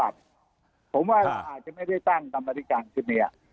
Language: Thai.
ผมว่าอาจจะไม่ได้ตั้งตามรัฐการณ์คุณเนี้ย